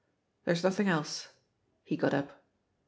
There's nothing else." He got up.